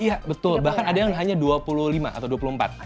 iya betul bahkan ada yang hanya dua puluh lima atau dua puluh empat